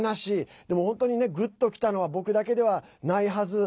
でも本当にグッときたのは僕だけではないはず。